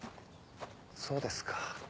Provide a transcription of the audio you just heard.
そうですか。